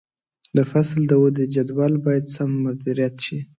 د فصل د ودې جدول باید سم مدیریت شي.